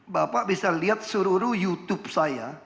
bapak bisa lihat seluruh youtube saya